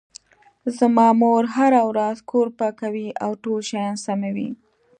زما مور هره ورځ کور پاکوي او ټول شیان سموي